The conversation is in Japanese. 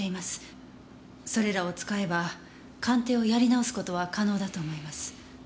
それらを使えば鑑定をやり直す事は可能だと思います。